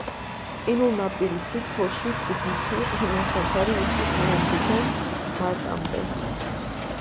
ყინულნაპირისი, თოში, ძგიფი, ყინულსაფარი იცის ნოემბრიდან მარტამდე.